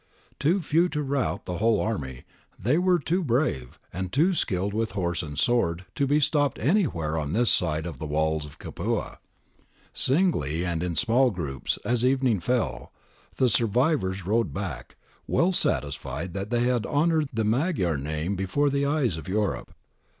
Too few to rout the whole army, they were too brave, and too skilled with horse and sword, to be stopped anywhere on this side the walls of Capua. Singly and in small groups, as evening fell, the survivors rode back, well satisfied that they had honoured the Magyar name before the eyes of Europe.